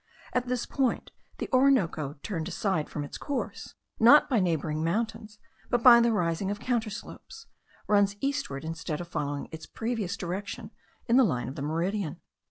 At this point, the Orinoco, turned aside from its course, not by neighbouring mountains, but by the rising of counterslopes, runs eastward instead of following its previous direction in the line of the meridian.